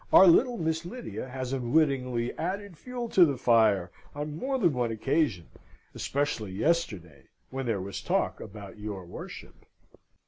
Our little Miss Lydia has unwittingly added fuel to the fire on more than one occasion, especially yesterday, when there was talk about your worship.